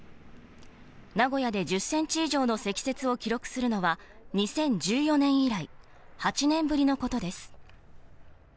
名古屋で１０センチ以上の積雪を記録するのは２０１４年以来、８年ぶりのことです。